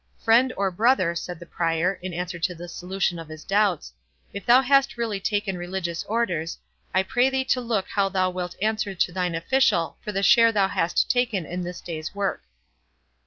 "Friend, or brother," said the Prior, in answer to this solution of his doubts, "if thou hast really taken religious orders, I pray thee to look how thou wilt answer to thine official for the share thou hast taken in this day's work."